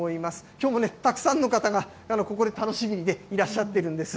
きょうもたくさんの方が、ここで楽しんでいらっしゃってるんです。